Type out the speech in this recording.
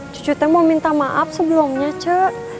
cucu aku mau minta maaf sebelumnya cu